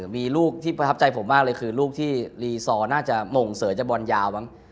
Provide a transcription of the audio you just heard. มีลูกที่ประทับใจผมมากเลยคือลูกที่รีซอร์น่าจะหม่งเสยจะบอลยาวมั้ง